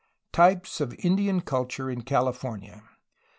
Types of Indian culture in Cali fornia.